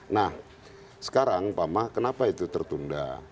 nah sekarang pak mah kenapa itu tertunda